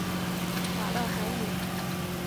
瓦勒海姆。